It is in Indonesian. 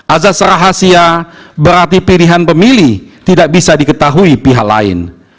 azas rahasia berarti pilihan pemilih tidak bisa diketahui pihak lain